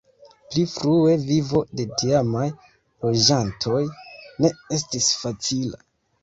Pli frue vivo de tiamaj loĝantoj ne estis facila.